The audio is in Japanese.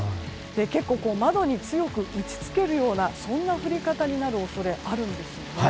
結構窓に強く打ちつけるような降り方になる恐れがあるんですよね。